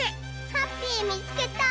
ハッピーみつけた！